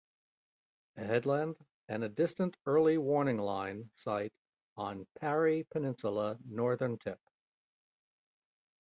A headland, and a Distant Early Warning Line site on Parry Peninsula northern tip.